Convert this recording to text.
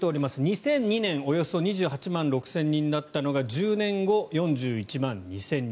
２００２年、およそ２８万６０００人だったのが１０年後、４１万２０００人。